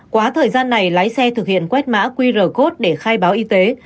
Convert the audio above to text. quá thời gian này lái xe thực hiện quét mã qr code để khai báo y tế